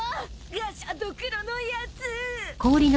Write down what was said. ガシャドクロのやつ！